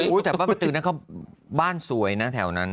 ห้อหาว่านประตือก็บ้านสวยนะแถวนั้น